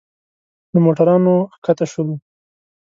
له موټرانو ښکته شولو.